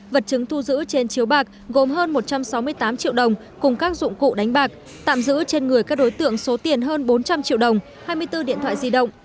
vật chứng thu giữ trên chiếu bạc gồm hơn một trăm sáu mươi tám triệu đồng cùng các dụng cụ đánh bạc tạm giữ trên người các đối tượng số tiền hơn bốn trăm linh triệu đồng hai mươi bốn điện thoại di động